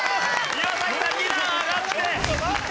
岩崎さん２段上がって。